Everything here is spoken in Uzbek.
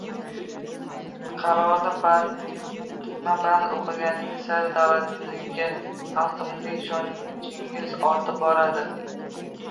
Qarorni bandma-band oʻqiganingiz sari davlatimizga, xalqimizga ishonchingiz ortib boradi.